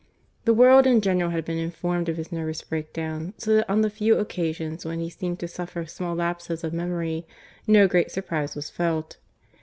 The world in general had been informed of his nervous breakdown, so that on the few occasions when he seemed to suffer small lapses of memory no great surprise was felt.